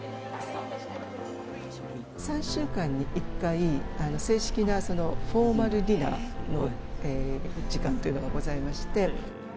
３週間に１回、正式なフォーマルディナーの時間というのがございまして。